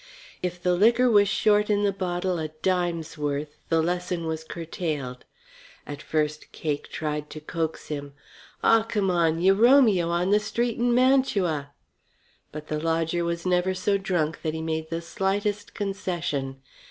If the liquor was short in the bottle a dime's worth, the lesson was curtailed. At first Cake tried to coax him. "Aw, c'mon, yuh Romeo on th' street in Mantua." But the lodger was never so drunk that he made the slightest concession.